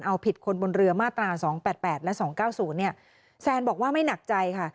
เอาผิดคนบนเรือมาตรา๒๘๘และ๒๙๐เนี่ยแซนบอกว่าไม่หนักใจค่ะ